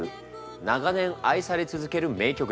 長年愛され続ける名曲です。